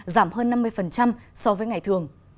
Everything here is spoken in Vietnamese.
giảm hơn năm mươi so với ngày thường